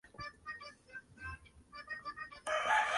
Todas las canciones fueron escritas y compuestas por Deep Purple.